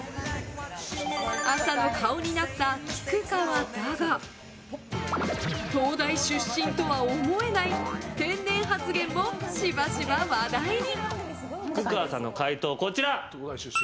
朝の顔になった菊川だが東大出身とは思えない天然発言もしばしば話題に。